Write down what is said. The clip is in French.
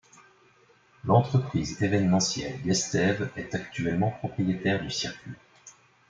L'entreprise événementielle Gestev est actuellement propriétaire du circuit.